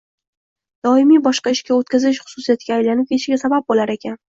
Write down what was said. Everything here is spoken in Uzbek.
doimiy boshqa ishga o‘tkazish xususiyatiga aylanib ketishiga sabab bo‘lar ekan.